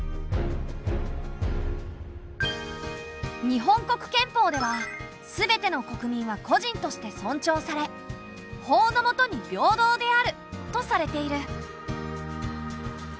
日本国憲法ではすべての国民は個人として尊重され法の下に平等であるとされている。